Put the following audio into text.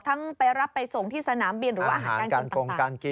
ทั้งไปรับไปส่งที่สนามเบียนหรืออาหารการกินต่าง